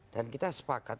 dan kita sepakat